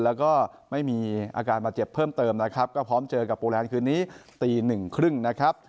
แล้วก็ไม่มีอาการบาดเจ็บเพิ่มเติมนะครับก็พร้อมเจอกับโปรแลนด์คืนนี้ตีหนึ่งครึ่งนะครับ